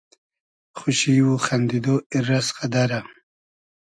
خوشی و خئندیدۉ , ایررئس غئدئرۂ